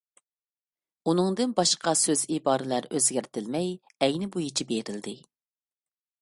ئۇنىڭدىن باشقا سۆز-ئىبارىلەر ئۆزگەرتىلمەي، ئەينى بويىچە بېرىلدى.